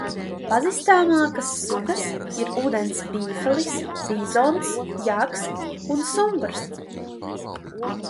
Pazīstamākās sugas ir ūdens bifelis, bizons, jaks un sumbrs.